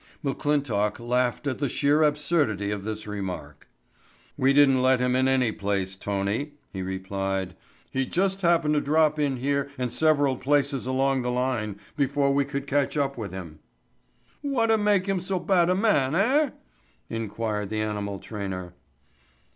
McClintock laughed at the sheer absurdity of this remark. "We didn't let him in any place, Tony," he replied. "He just happened to drop in here and several places along the line before we could catch up with him." "Whata make him so bada man, er?" inquired the animal trainer.